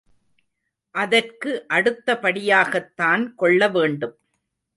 அதற்கு அடுத்தபடியாகத்தான் கொள்ள வேண்டும்.